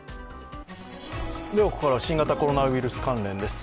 ここからは新型コロナウイルス関連です。